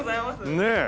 ねえ。